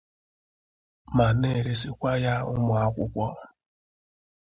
ma na-eresikwa ya ụmụakwụkwọ